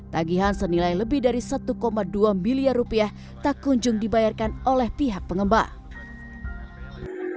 tagihan senilai lebih dari rp satu dua biliar tak kunjung dibayarkan oleh pihak pengembang